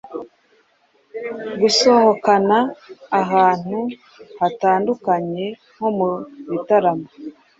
gusohokana ahantu hatandukanye nko mu bitaramo,